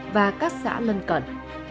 và các xã lân cận